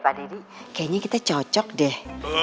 pak dedy kayaknya kita cocok deh